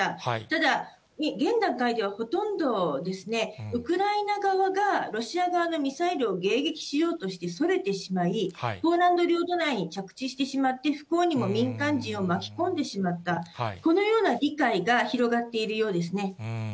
ただ、現段階ではほとんどですね、ウクライナ側が、ロシア側のミサイルを迎撃しようとしてそれてしまい、ポーランド領土内に着地してしまって、不幸にも民間人を巻き込んでしまった、このような理解が広がっているようですね。